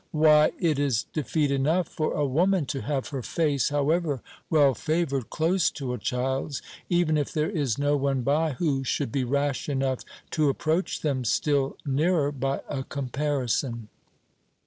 Why, it is defeat enough for a woman to have her face, however well favoured, close to a child's, even if there is no one by who should be rash enough to approach them still nearer by a comparison.